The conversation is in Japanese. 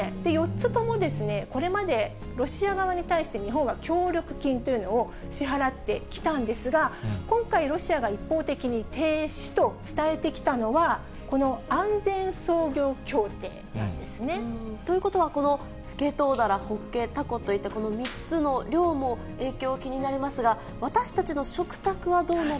４つとも、これまでロシア側に対して、日本は協力金というのを支払ってきたんですが、今回、ロシアが一方的に停止と伝えてきたのは、ということは、このスケトウダラ、ホッケ、タコといったこの３つの漁の影響が気になりますが、私たちの食卓